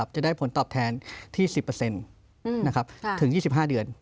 จะได้ผลตอบแทนที่๑๐ถึง๒๕เดือน